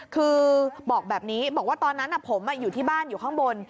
คือบอกแบบนี้บอกว่าตอนนั้นผมอยู่ที่บ้านอยู่ข้างบน